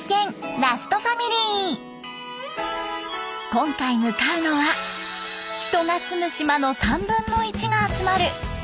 今回向かうのは人が住む島の３分の１が集まる瀬戸内海。